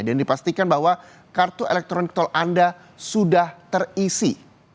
dan dipastikan bahwa kartu elektronik tol anda sudah terisi